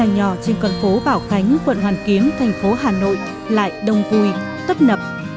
nhỏ trên con phố bảo khánh quận hoàn kiếm thành phố hà nội lại đông vui tấp nập